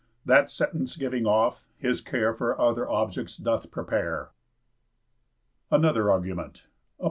That sentence giving off, his care For other objects doth prepare. ANOTHER ARGUMENT _ψ.